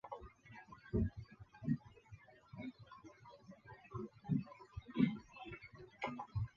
博尔德列夫卡村委员会是俄罗斯联邦阿穆尔州扎维京斯克区所属的一个村委员会。